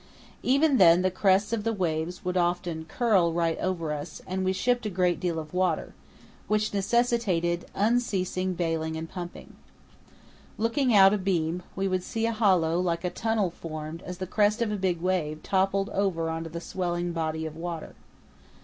Even then the crests of the waves often would curl right over us and we shipped a great deal of water, which necessitated unceasing baling and pumping. Looking out abeam, we would see a hollow like a tunnel formed as the crest of a big wave toppled over on to the swelling body of water.